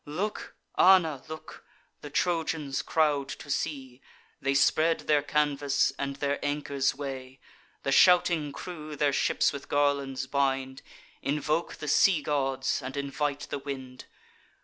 "Look, Anna! look! the Trojans crowd to sea; They spread their canvas, and their anchors weigh. The shouting crew their ships with garlands bind, Invoke the sea gods, and invite the wind.